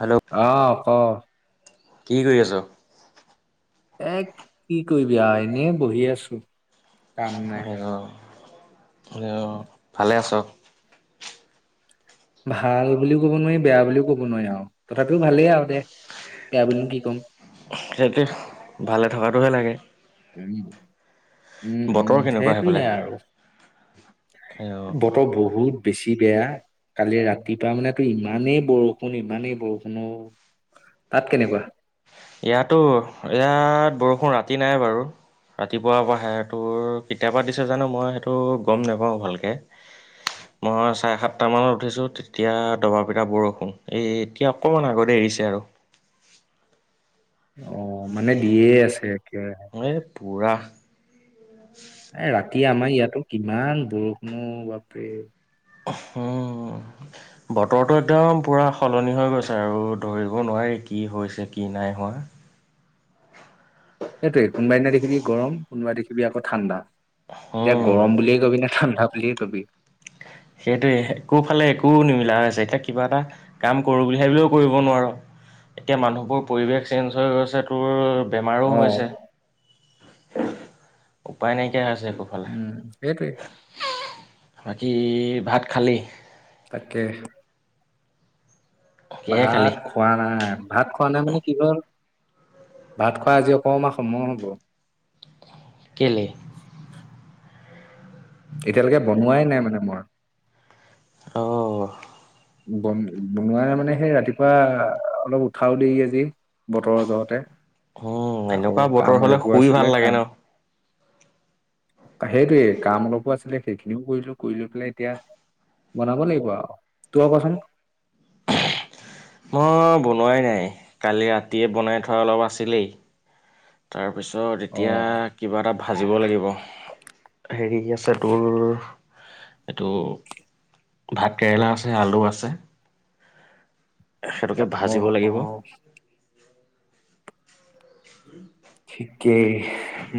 Hello অঁ ক কি কৰি আছ? এ কি কৰিবি আৰু এনে বহি আছো। কাম অ নাই অ ভালে আছ? ভাল বুলিও ক'ব নোৱাৰি বেয়া বুলিও ক'ব নোৱাৰি আৰু তথাপিও ভালেই আৰু দে বেয়া বুলিও কি কম। সেইটোৱে ভালে থকাটোহে লাগে। যাবি নেকি? উম বতৰ উম কেনেকুৱা সেইফালে? সেইটোৱয়েইে আৰু বতৰ, বহুত বেছি বেয়া কালি ৰাতি পা মানে তোৰ ইমানেই বৰষুণ, ইমানেই বৰষুণ অ তাত কেনেকুৱা? ইয়াতো ইয়াত বৰষুণ, ৰাতি নাই বাৰু? ৰাতিপুৱাৰ পৰা সেটোৰ কেতিয়াবা দিছে জানো মই সেইটো গম নোপাওঁ ভালকে। মই চাৰে সাতটা, মানত উঠিছো। তেতিয়া দবা পিতা বৰষুণ, এই এতিয়া অকমান আগতে এৰিছে আৰু অ মানে দিয়ে আছে একে ৰাহে এই পুৰা এ ৰাতি আমাৰ ইয়াতো কিমান বৰষুণৰ, বাপৰে উম বতৰটো, একদম পূৰা সলনি হৈ গৈছে আৰু ধৰিব নোৱাৰি কি হৈছে? কি নাই হোৱা। সেইটোৱে কোনোবা দিনা দেখিবি গৰম, কোনোবাই দেখিবি আকৌ ঠাণ্ডা, এতিয়া উম। গৰম বুলিয়ে কবি নে? ঠণ্ডা, বুলিএ কবি সেইটোৱে একো ফালে একো নিমিলা হৈ আছে। এতিয়া কিবা এটা কাম কৰোঁ বুলি ভাবিলেও কৰিব নোৱাৰোঁ। এতিয়া মানুহবোৰ পৰিৱেশ চেঞ্জ হৈ গৈছে। তোৰ বেমাৰো অ হৈছে। উপায় নাইকিয়া হৈছে একো। উম সেইটোৱেই। বাকী ভাত খালি? তাকে। কিহে খালি? ভাত খোৱা নাই ভাত খোৱা নাই মানে কি হল? ভাত খোৱা আজি অকণমান সময় হ'ব। কেলে? এতিয়ালৈকে বনোৱাই নাই মানে মই। অঁ। বন বনোৱা মানে সেই ৰাতিপুৱা অলপ উঠাও দেৰি আজি। বতৰৰ জহতে উম, আকৌ এনেকুৱা বতৰ কাম হ'লে অলপো শুই ভাল আছিলে লাগে ন। কাম। সেইটোৱে কাম অলপো আছিলে। সেইখিনিও কৰিলো কৰি লৈ পেলাই এতিয়া বনাব লাগিব আৰু তোমাৰ কোৱাচোন মই বনোৱাই নাই। কালি ৰাতিয়ে বনাই থোৱা অলপ আছিলেই। তাৰপিছত অ এতিয়া কিবা এটা ভাজিব লাগিব। হেৰি আছে তোৰ এইটো ভাত কেৰেলা আছে আলু আছে। সেইটোকে অ ভাজিব অ লাগিব। [inaudible] ঠিকেই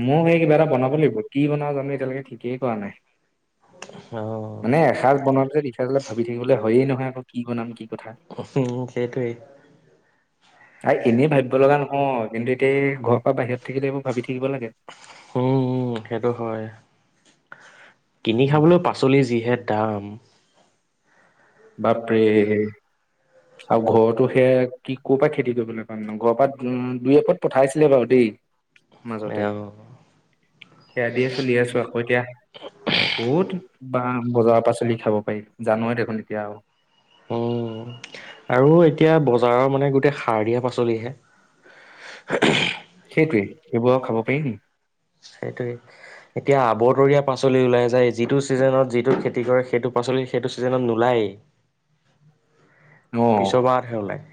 মোক সেই কিবা এটা বনাব লাগিব কি বনাও জানো এতিয়ালৈকে ঠিকেই কৰা নাই। [unintelligible] মানে অ' এসাঁজ বনালে যে সি এসাঁজ লৈ ভাবি থাকিবলৈ হয়য়ে নহয় আকৌ কি বনাম কি কথা। উ সেইটোৱেই। আ এনেই ভাবিব লগা নহয়। কিন্তু এতিয়া ঘৰৰ পৰা বাহিৰত থাকিলে এইবোৰ ভাবি থাকিব লাগে। উম সেইটো হয় কিনি উম। খাবলৈ প পাচলিৰ যিহে দাম। বাপৰে। আৰু ঘৰতো সেয়া কি ক'ৰ পৰা খেতি কৰিবলৈ পাম ন ঘৰৰ পৰা দুই এপত পঠাইছিলে বাৰু দেই। মাজতে অ'। সেয়া দিয়ে চলি আছো আকৌ এতিয়া। ক'ত বা বজাৰৰ পাচলি খাব পাৰি জানোৱেই দেখোন এতিয়া আৰু। উম আৰু এতিয়া বজাৰৰ মানে গোটেই সাৰ দিয়া পাচলি হে। [inaudible] সেইটোৱে সেইবোৰ আৰু খাব পাৰি নেকি? সেইটোৱেই। এতিয়া আৱতৰীয়া পাচলি ওলাই যায়। যিটো ছিজনত যিটো খেতি কৰে সেইটো পাচলি সেইটো চিজনত নোলায়েই অ পিছৰ বাৰতহে ওলায়।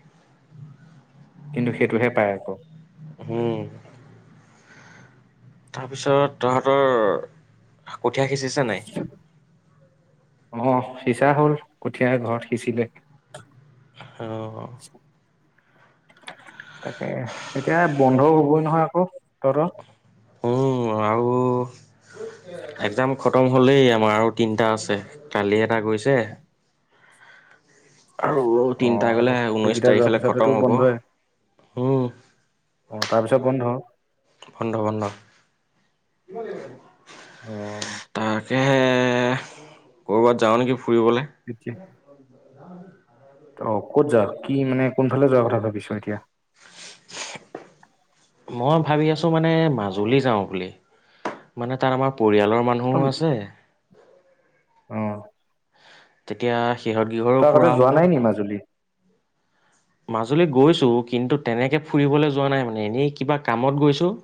কিন্তু সেইটোহে পায় আকৌ। হম। তাৰপিছত তহতৰ কঠীয়া সিঁচিছে নাই? অ সিঁচা হ'ল কঠিয়া ঘৰত সিঁচিলে। অ। [inaudible] তাকে এতিয়া বন্ধও হ'বই নহয় আকৌ তহঁতৰ। আৰু একজাম খতম। হ'লেই আমাৰ আৰু তিনিটা আছে, কালি এটা গৈছে। আৰু অ তিনটা আকৌ গ'লে ঊনৈশ সেইকেইটা যোৱাৰ তাৰিখলৈ পিছতেতো খতম হ'ব, বন্ধই উম। অ তাৰপিছত বন্ধ। বন্ধ বন্ধ। অ। এহে, ক'ৰবাত যাওঁ নেকি ফুৰিবলে? [unintelligible] [unintelligible] ত ক'ত যা কি মানে কোনফালে যোৱা কথা ভাবিছো এতিয়া? মই ভাবি আছো মানে মাজুলী যাওঁ বুলি। মানে তাত আমাৰ পৰিয়ালৰ মানুহো তই আছে। অ। তেতিয়া সিহঁত গৃহৰো তই আগতে ফুৰা যোৱা হ'ব। নাই নি মাজুলী। মাজুলী গৈছো কিন্তু তেনেকে ফুৰিবলৈ যোৱা নাই মানে এনেই কিবা কামত গৈছো।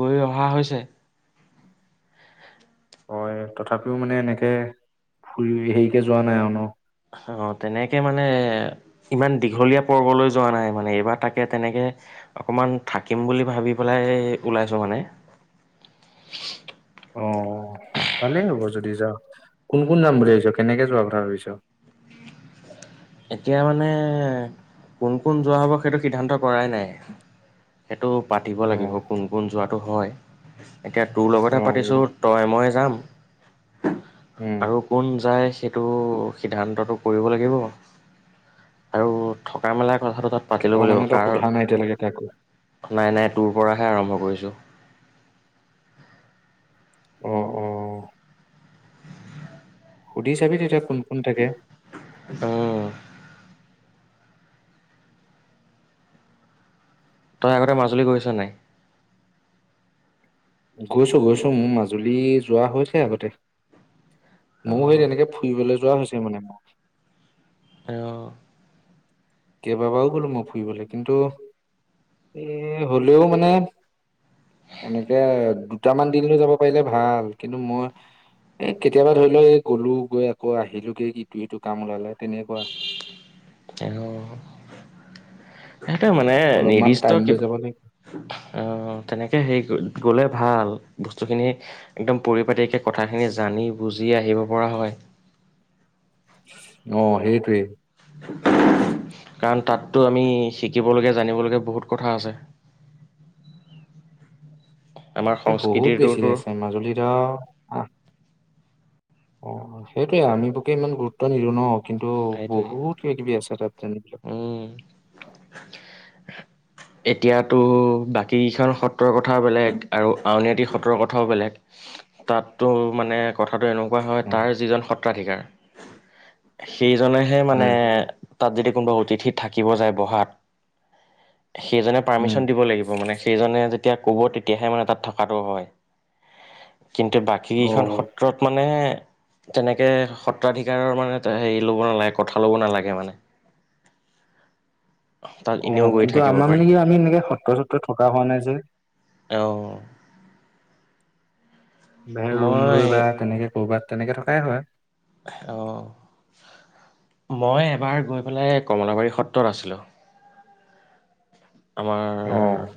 গৈ অহা হৈছে। হয় তথাপিও মানে এনেকে ফুৰি হেৰিকে যোৱা নাই আৰু ন? অ তেনেকে মানে ইমান দীঘলীয়া পৰ্বলৈ যোৱা নাই মানে এইবাৰ তাকে তেনেকে অকমান থাকিম বুলি ভাবি পেলাই ওলাইছো মানে। অ, ভালেই হ'ব যদি যাও, কোন কোন যাম বুলি আহিছ কেনেকে যোৱা কথা ভাবিছ? এতিয়া মানে কোন কোন যোৱা হ'ব সেইটো সিদ্ধান্ত কৰাই নাই। সেইটো পাতিব অ লাগিব কোন কোন যোৱাটো হয় এতিয়া তোৰ অ লগতহে পাতিছোঁ। তই, মই যাম উম আৰু কোন যায় সেইটো সিদ্ধান্তটো কৰিব লাগিব। আৰু থকা মেলা কথাটো তাত পাতি অ ল'ব লাগিব মানে তই কাৰ সোধা নাই এতিয়ালৈকে কাকো? নাই নাই, তোৰ পৰাহে আৰম্ভ কৰিছোঁ। অ অ। সুধি চাবি তেতিয়া কোন কোন থাকে? অ। তই আগতে মাজুলী গৈছা নাই? গৈছো গৈছো, মোৰ মাজুলী যোৱা হৈছে আগতে। ময়ো সেই তেনেকে ফুৰিবলৈ যোৱা হৈছে মানে মোক। এ অ। কেইবাবাৰো গলো মই ফুৰিবলৈ কিন্তু এ হলেও মানে এনেকে দুটামান দিন লৈ যাব পাৰিলে ভাল কিন্তু মই এ কেতিয়াবা ধৰি লও এই গ'লো গৈ আকৌ আহিলোগে ইটো ইটো কাম ওলালে তেনেকুৱা। হেল্ল, সেইটো মানে অলপমান টাইম নিৰ্দিষ্ট লৈ কিবা যাব লাগিব উ‌ম তেনেকে হেৰি ক গলে ভাল বস্তুখিনি একদম পৰিপাটিকে কথাখিনি জানি, বুজি আহিব পৰা হয়। অ সেইটোৱে। কাৰণ তাততো আমি শিকিবলগীয়া, জানিবলগীয়া বহুত কথা আছে। আমাৰ এই বহুত বেছি সংস্কৃতিটোতো আছে মাজুলীত আৰু আহ অ সেইটোয়ে আমি বৰকে ইমান গুৰুত্ব নিদো ন কিন্তু সেইটোৱে বহুত কিবা - কিবি আছে তাত তেনবিলাক। উম [inaudible] এতিয়াতো, বাকীকেইখন সত্ৰৰ কথা বেলেগ, আৰু আউনীআটি সত্ৰৰ কথাও বেলেগ। তাততো, মানে কথাটো এনেকুৱা হয়, উম তাৰ যিজন সত্ৰাধিকাৰ সেইজনেহে মানে উম তাত যদি কোনোবা অতিথি থাকিব যায় বহাত, সেইজনে উম পাৰ্মিশন দিব লাগিব মানে। সেইজনে যেতিয়া ক'ব, তেতিয়াহে মানে তাত থকাটো হয়, কিন্তু বাকী কেইখন অ সত ক্ষেত্ৰত মানে তেনেকে, সত্ৰাধিকাৰৰ মানে হেৰি ল'ব নালাগে, কথা ল'ব নালাগে মানে। তাত অ', এনেও গৈ কিন্তু থাকিব আমাৰ পাৰি মানে কি, আমি এনেকে সত্ৰ, সত্ৰ থকা হোৱা নাই যে। অ'। বেৰ ৰুম মই লৈ বা, তেনেকে ক'ৰবাত তেনেকে থকাই হয়। অ', মই এবাৰ গৈ পেলাই, কমলাবাৰী সত্ৰত আছিলোঁ। অ আমাৰ,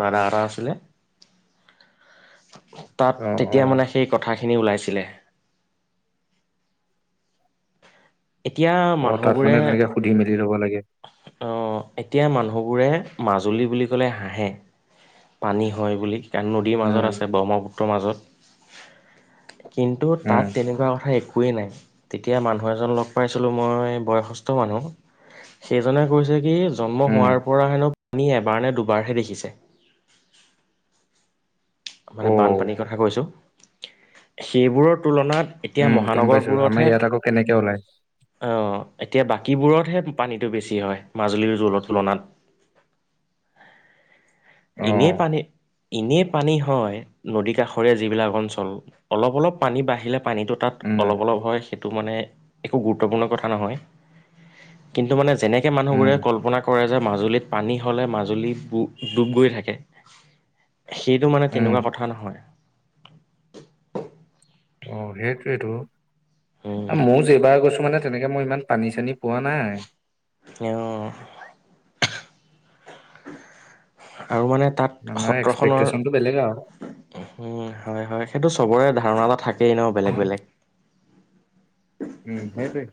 দাদা এটা আছিলে। তাত, অ অ তেতিয়া মানে, সেই কথাখিনি ওলাইছিলে। এতিয়া অ', তাত মানে, মানুহবোৰে তেনেকে সুধি-মেলি ল'ব লাগে। অ', এতিয়া মানুহবোৰে, মাজুলী বুলি ক'লে হাঁহে। পানী হয় বুলি, কাৰণ নদীৰ মাজত উম আছে, ব্ৰহ্মপুত্ৰৰ মাজত। কিন্তু, তাত উম তেনেকুৱা কথা একোৱেই নাই। তেতিয়া মানুহ এজন লগ পাইছিলোঁ মই, বয়সস্থ মানুহ। সেইজনে কৈছে কি, জন্ম উম হোৱাৰ পৰা হেনো, পানী এবাৰ নে, দুবাৰহে দেখিছে। মানে অ বানপানীৰ কথা কৈছোঁ, সেইবোৰৰ তুলনাত এতিয়া উম, গম পাইছো, আমাৰ মহানগৰবোৰতহে ইয়াত আকৌ কেনেকে ওলায়। অ', এতিয়া বাকীবোৰতহে পানীটো বেছি হয়, মাজুলীৰ জলৰ তুলনাত। অ এনে পানী, এনে পানী হয়, নদী কাষৰীয়া যিবিলাক অঞ্চল, অলপ, অলপ পানী বাঢ়িলে পানীটোত তাত, উম অলপ অলপ হয় সে ত' মানে একো গুৰুত্বপূৰ্ণ কথা নহয়, কিন্তু মানে যেনেকে উম মানুহবোৰে কল্পনা কৰে যে, মাজুলীত পানী হ'লে, মাজুলী ডুব গৈ থাকে, সেইটো মানে উম তেনেকুৱা কথা নহয়। অ', সেইটোৱেটো, উম, মইয়ো যেই বাৰ গৈছো মানে তেনেকে, মই ইমান, পানী-চানী পোৱা নাই। অ'। আৰু মানে তাত মানুহৰ সত্ৰখনৰ এক্সপেক্টেশচনটো বেলেগ আৰু। উম, হয়, হয়, সেইটো চবৰে ধাৰণা এটা থাকেই ন, বেলেগ বেলেগ। উম, সেইটোৱে।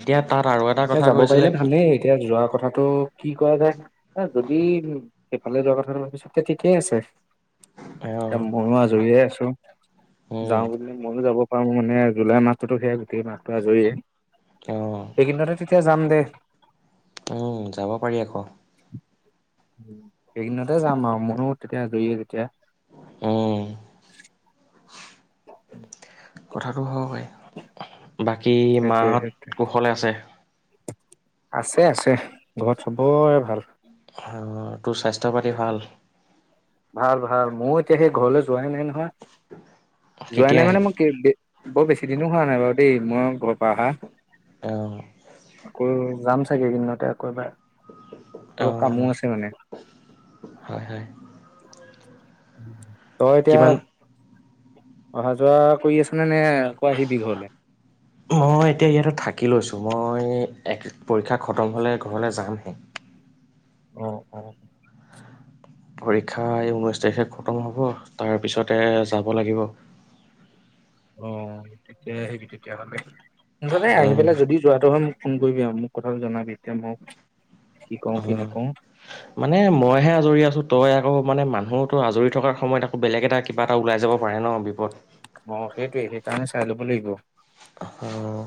এতিয়া, তাত আৰু এটা এতিয়া কথা যাব কৈছিলে পাৰিলে কি? ভালেই এতিয়া যোৱা কথাটো কি কৰা যায়, এ যদি সেইফালে যোৱা কথাটো ভাবিছো, এতিয়া ঠিকেই আছে এয়া মইয়ো আজৰিয়ে আছো। যাওঁ অঁ বুলি মইয়ো যাব পাৰো মানে, জুলাই মাহটোতো সেয়াই, গোটেই মাহটো আজৰিয়ে। অ'। এইকেইদিনতে তেতিয়া যাম দে। অ', যাব পাৰি আকৌ। এইকেইদিনতে যাম আৰু, মইয়ো তেতিয়া অজৰিয়ে তেতিয়া। উম কথাটো হয় বাই। বাকী মা সেইটোৱে সত সেইটোৱে কুশলে আছে? আছে আছে ঘৰত চবৰে ভাল। হয় তোৰ স্বাস্থ্য পাতি ভাল? ভাল ভাল ময়ো এতিয়া সেই ঘৰলৈ যোৱাই নাই নহয় যোৱাই কেতিয়া নাই মানে আহিবি? মোক- বৰ বেছি দিনো হোৱা নাই বাৰু দেই মই ঘৰৰ পৰা আহা। অঁ আকৌ যাম চাগে এইকেইদিনতে আকৌ এবাৰ, অলপ অ', কামো আছে মানে। হয় হয় তই কিমান এতিয়া- অহা যোৱা কৰি আছ নে নে আকৌ আহিবি ঘৰলে? মই এতিয়া ইয়াতে থাকি লৈছোঁ মই এক- পৰীক্ষা খতম হলে ঘৰলৈ যামহে। অ অ পৰীক্ষা এই ঊনৈছ তাৰিখে খতম হ'ব তাৰপিছতে যাব লাগিব। অ তেতিয়াই আহিবি তেতিয়াহলে মুঠতে আহি অ', পেলাই যদি- যোৱাঁটো হয় মোক ফোন কৰিবি আৰু মোক কথাটো জনাবি তেতিয়া মোক। অ মানে মইহে আজৰি আছো তই আকৌ মানে মানুহতো আজৰি থকাৰ সময়ত আকৌ বেলেগ এটা- কিবা এটা ওলাই যাব পাৰে ন বিপদ। অ সেইটোয়ে সেইকাৰণে চাই ল'ব লাগিব। অ',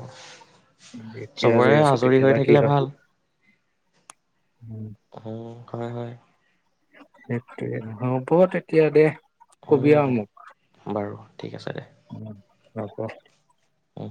এতিয়া চবৰে আজৰি আছো হৈ তেতিয়াবা কি থাকিলে হয়? ভাল। উম উম হয় হয়। সেইটোৱে হ'ব তেতিয়া দে। কবি উম আৰু বাৰু ঠিক আছে দে। উম হব। উম